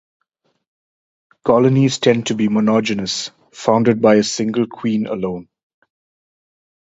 Colonies tend to be monogynous - founded by a single queen alone.